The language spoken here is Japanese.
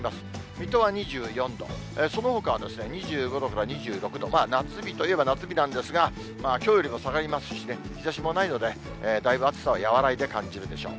水戸は２４度、そのほかは２５度から２６度、夏日といえば夏日なんですが、きょうよりも下がりますしね、日ざしもないので、だいぶ暑さは和らいで感じるでしょう。